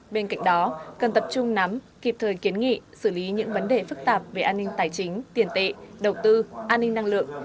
bên cạnh đó cần tập trung nắm kịp thời kiến nghị xử lý những vấn đề phức tạp về an ninh tài chính tiền tệ đầu tư an ninh năng lượng